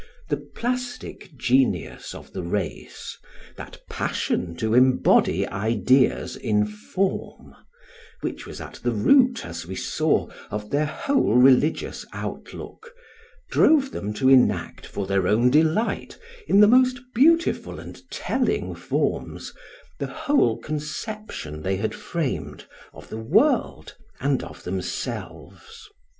The plastic genius of the race, that passion to embody ideas in form, which was at the root, as we saw, of their whole religious outlook, drove them to enact for their own delight, in the most beautiful and telling forms, the whole conception they had framed of the world and of themselves.